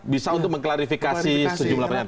bisa untuk mengklarifikasi sejumlah pertanyaan